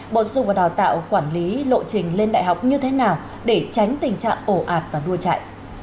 bộ giáo dục và đào tạo quản lý lộ trình lên đại học như thế nào để tránh tình trạng ổ ạt và đua chạy